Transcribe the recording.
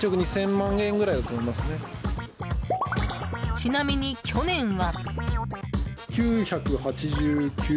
ちなみに去年は。